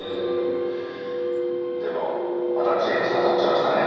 でもまたジェームズ当たっちゃいましたね。